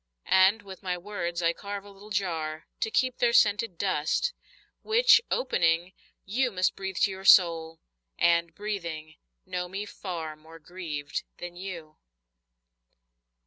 And with my words I carve a little jar To keep their scented dust, Which, opening, you must Breathe to your soul, and, breathing, know me far More grieved than you.